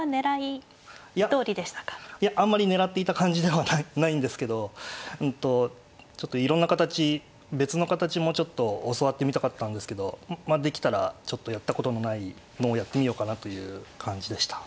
いやあんまり狙っていた感じではないんですけどうんとちょっといろんな形別の形もうちょっと教わってみたかったんですけどまあできたらちょっとやったことのないのをやってみようかなという感じでした。